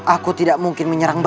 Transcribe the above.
aku tidak mungkin menyerang